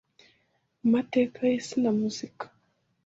Mu meteke y’isi ne Muzike,